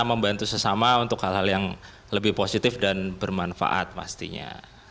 membantu sesama untuk hal hal yang lebih positif dan bermanfaat pastinya